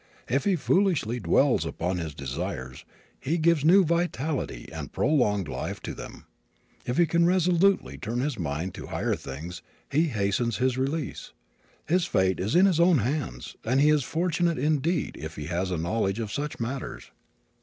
If he foolishly dwells upon his desires, he gives new vitality and prolonged life to them. If he can resolutely turn his mind to higher things he hastens his release. His fate is in his own hands, and he is fortunate indeed if he has a knowledge of such matters.